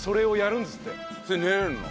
それ寝られるの？